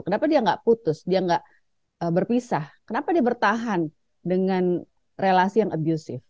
kenapa dia nggak putus dia nggak berpisah kenapa dia bertahan dengan relasi yang abusive